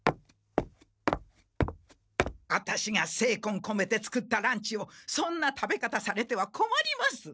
アタシがせいこんこめて作ったランチをそんな食べ方されてはこまります！